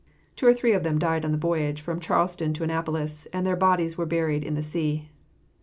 Two or three of them died on the voyage from Charleston to Annapolis, and their bodies were buried in the sea.